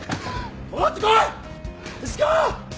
戻ってこい石川！」